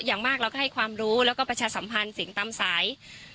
อย่างมากเราก็ให้ความรู้แล้วก็ประชาสัมพันธ์เสียงตามสาย